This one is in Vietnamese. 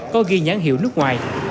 có ghi nhán hiệu nước ngoài